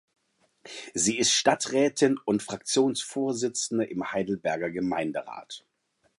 Sie ist Stadträtin und Fraktionsvorsitzende im Heidelberger Gemeinderat.